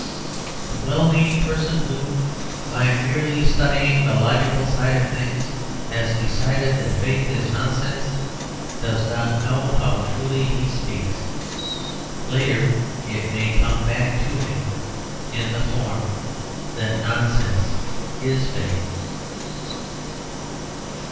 The well meaning person who, by merely studying the logical side of things, has decided that 'faith is nonsense,' does not know how truly he speaks; later it may come back to him in the form that nonsense is faith.